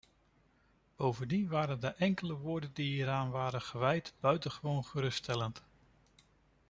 Bovendien waren de enkele woorden die hieraan waren gewijd buitengewoon geruststellend.